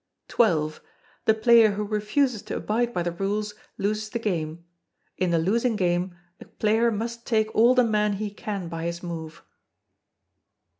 xii. The player who refuses to abide by the rules loses the game. In the losing game a player must take all the men he can by his move.